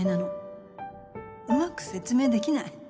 うまく説明できない。